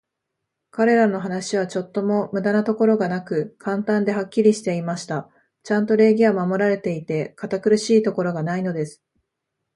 彼等の話は、ちょっとも無駄なところがなく、簡単で、はっきりしていました。ちゃんと礼儀は守られていて、堅苦しいところがないのです。